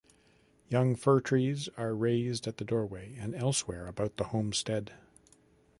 Young fir-trees are raised at the doorway and elsewhere about the homestead.